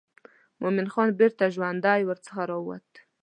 مومن خان بیرته ژوندی ورڅخه راووت.